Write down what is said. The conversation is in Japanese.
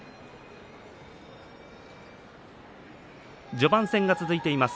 序盤戦が続いています